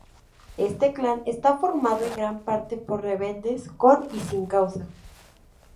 Este clan está formado en gran parte por rebeldes, con y sin causa.